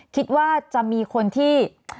คิดว่าจะมีคนที่